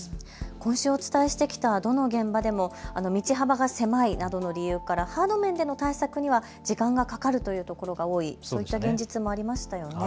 今週、お伝えしてきたどの現場でも道幅が狭いなどの理由からハード面での対策には時間がかかるという所が多い、そういった現実もありましたよね。